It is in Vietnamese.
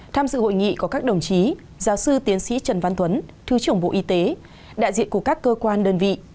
tham dự hội nghị có các đồng chí giáo sư tiến sĩ trần văn thuấn thứ trưởng bộ y tế đại diện của các cơ quan đơn vị